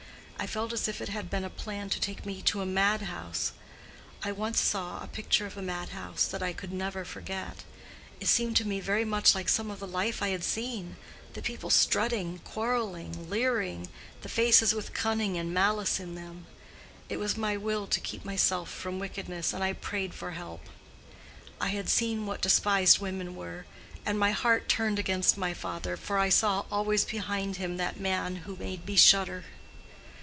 I felt as if it had been a plan to take me to a madhouse. I once saw a picture of a madhouse, that I could never forget; it seemed to me very much like some of the life I had seen—the people strutting, quarreling, leering—the faces with cunning and malice in them. It was my will to keep myself from wickedness; and I prayed for help. I had seen what despised women were: and my heart turned against my father, for I saw always behind him that man who made me shudder.